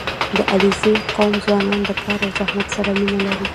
• د علیزي قوم ځوانان د کار او زحمت سره مینه لري.